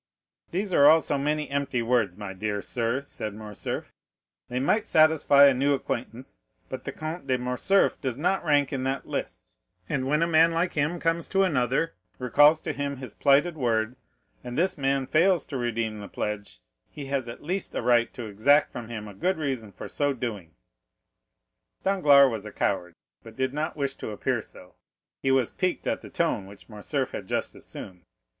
"These are all so many empty words, my dear sir," said Morcerf: "they might satisfy a new acquaintance, but the Comte de Morcerf does not rank in that list; and when a man like him comes to another, recalls to him his plighted word, and this man fails to redeem the pledge, he has at least a right to exact from him a good reason for so doing." Danglars was a coward, but did not wish to appear so; he was piqued at the tone which Morcerf had just assumed.